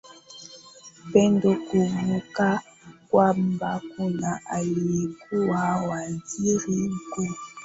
pendo kumbuka kwamba kuna aliyekuwa waziri mkuu